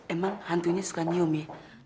emang hantunya suka nyium ya